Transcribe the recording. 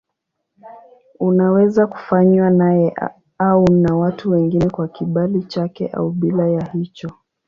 Unaweza kufanywa naye au na watu wengine kwa kibali chake au bila ya hicho.